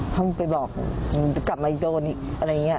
ห้ามไปบอกจะกลับมาอีกโดนอีกอะไรอย่างนี้